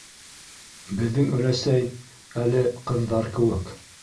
- Беҙҙең өләсәй әле... ҡыҙҙар кеүек!